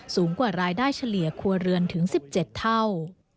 สูงกว่ารายได้เฉลี่ยครัวเรือนถึง๑๗เท่า